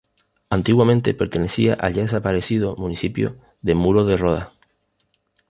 Antiguamente pertenecía al ya desaparecido municipio de Muro de Roda.